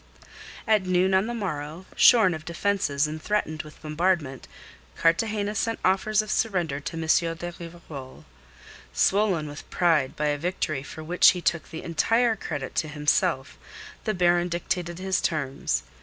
At noon on the morrow, shorn of defences and threatened with bombardment, Cartagena sent offers of surrender to M. de Rivarol. Swollen with pride by a victory for which he took the entire credit to himself, the Baron dictated his terms.